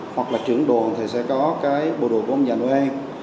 hoặc là trưởng đồn thì sẽ có bộ đồ của ông già noel